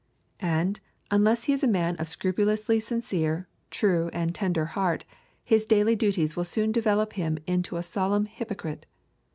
And, unless he is a man of a scrupulously sincere, true, and tender heart, his daily duties will soon develop him into a solemn hypocrite.